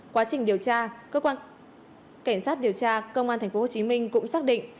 quá trình điều tra cơ quan cảnh sát điều tra công an tp hcm cũng xác định